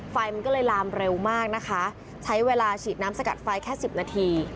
ไฟมันก็เลยลามเร็วมากนะคะใช้เวลาฉีดน้ำสกัดไฟแค่สิบนาที